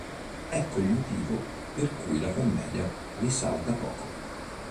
Ecco il motivo, per cui la Commedia risalta poco".